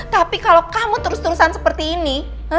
tapi kalau kamu terus terusan seperti ini